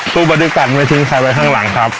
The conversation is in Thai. บอดี้กันไม่ทิ้งใครไว้ข้างหลังครับ